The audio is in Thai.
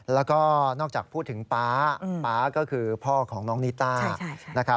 แล้วก็นอกจากพูดถึงป๊าป๊าก็คือพ่อของน้องนิต้านะครับ